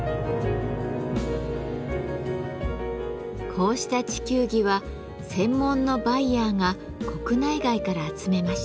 こうした地球儀は専門のバイヤーが国内外から集めました。